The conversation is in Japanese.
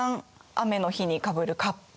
雨の日にかぶるカッパ。